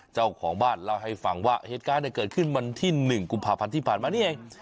เจ้าของบ้านเล่าให้ฟังว่าเหตุการณ์เกิดขึ้นวันที่๑กุมภาพันธ์ที่ผ่านมานี่เอง